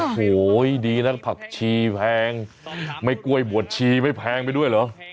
โอ้โหดีนะผักชีแพงไม่กล้วยบวชชีไม่แพงไปด้วยเหรอ